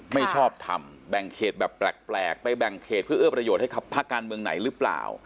ไม่ชอบทำแบ่งเขตแบบแปลกไปแบ่งเขตเพื่อเอื้อประโยชน์ให้กับภาคการเมืองไหนหรือเปล่า